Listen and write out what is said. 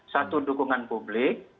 satu dukungan publik